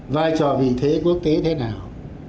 vai trò vị thế quốc tế thế nào